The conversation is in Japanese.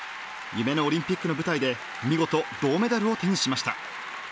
夢のオリンピックの舞台で見事、銅メダルを手にしました。